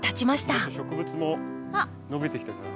植物も伸びてきてるな。